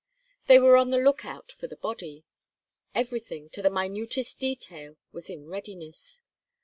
They were on the lookout for the body. Everything, to the minutest detail, was in readiness.